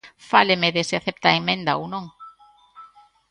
Fáleme de se acepta a emenda ou non.